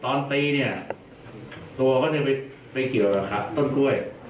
อ๋อตอนตีเนี่ยตัวก็จะไปเกี่ยวต้นกล้วย